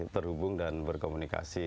terhubung dan berkomunikasi